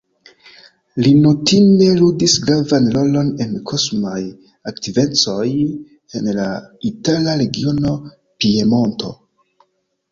Li notinde ludis gravan rolon en kosmaj aktivecoj en la itala regiono Piemonto.